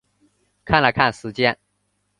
看了看时间